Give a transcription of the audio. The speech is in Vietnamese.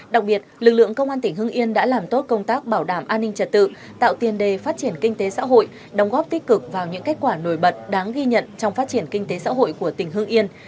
đặc biệt lực lượng công an tỉnh hưng yên đã làm tốt công tác bảo đảm an ninh trật tự tạo tiền đề phát triển kinh tế xã hội đóng góp tích cực vào những kết quả nổi bật đáng ghi nhận trong phát triển kinh tế xã hội của tỉnh hưng yên